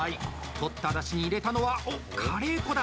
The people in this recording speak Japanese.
とっただしに入れたのはおっ、カレー粉だ！